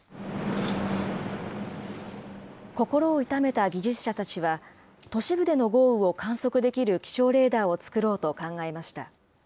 心を痛めた技術者たちは、都市部での豪雨を観測できる気象レーダーを作ろうと考えました。